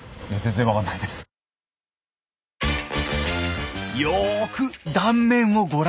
よく断面をご覧下さい。